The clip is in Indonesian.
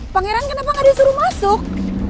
pangeran kenapa gak disuruh masuk